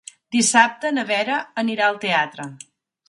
Dissabte na Vera anirà al teatre.